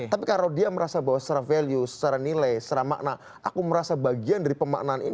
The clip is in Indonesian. tapi kalau dia merasa bahwa secara value secara nilai secara makna aku merasa bagian dari pemaknaan ini